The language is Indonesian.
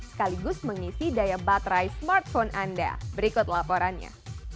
sekaligus mengisi daya baterai smartphone anda berikut laporannya